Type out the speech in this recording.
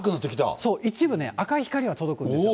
一部ね、赤い光が届くんですよ。